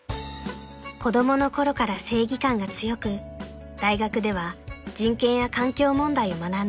［子供のころから正義感が強く大学では人権や環境問題を学んだ樹乃香さん］